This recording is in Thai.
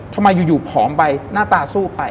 ทำไมอยู่ผอมไปหน้าตาสู้ไป